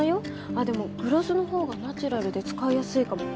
あっでもグロスの方がナチュラルで使いやすいかも。